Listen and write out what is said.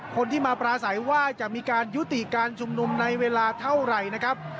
คนที่มาปราศัยว่าจะมีการยุติการชุมนุมในเวลาเท่าไหร่นะครับ